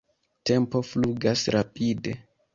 Tempo flugas rapide.